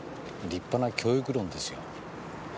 立派な教育論ですよ。